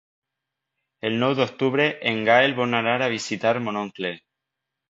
El nou d'octubre en Gaël vol anar a visitar mon oncle.